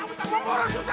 itu bapak kan raka